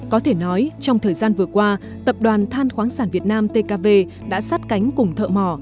có thể nói trong thời gian vừa qua tập đoàn than khoáng sản việt nam tkv đã sát cánh cùng thợ mò